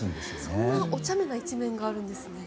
そんなおちゃめな一面があるんですね。